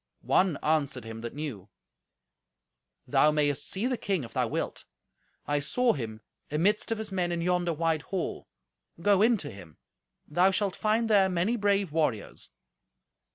One answered him that knew, "Thou mayest see the king if thou wilt. I saw him amidst of his men in yonder wide hall. Go in to him. Thou shalt find there many brave warriors."